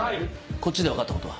こっちで分かったことは？